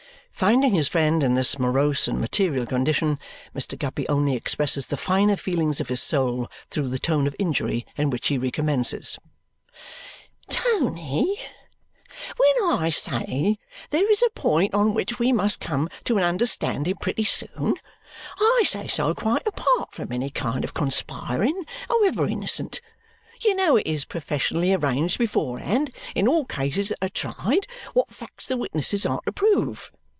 Finding his friend in this morose and material condition, Mr. Guppy only expresses the finer feelings of his soul through the tone of injury in which he recommences, "Tony, when I say there is a point on which we must come to an understanding pretty soon, I say so quite apart from any kind of conspiring, however innocent. You know it is professionally arranged beforehand in all cases that are tried what facts the witnesses are to prove.